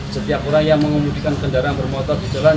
setiap orang yang mengemudikan kendaraan bermotor di jalan